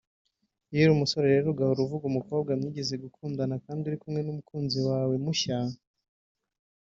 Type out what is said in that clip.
Iyo uri umusore rero ugahora uvuga umukobwa mwigeze gukundana kandi uri kumwe n’umukunzi wawe mushya